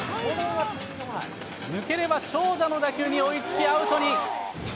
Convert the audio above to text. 抜ければ長打の打球に追いつき、アウトに。